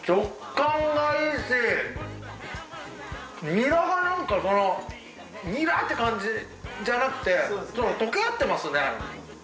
ニラがなんかそのニラって感じじゃなくて溶け合ってますね。